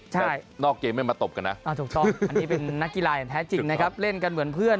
ใช่อันนี้เป็นนักกีฬาแท้จริงนะครับเล่นกันเหมือนเพื่อน